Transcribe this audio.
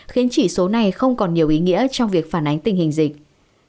khiến chỉ số này không còn nhiều ý nghĩa trong việc phản ánh tình hình dịch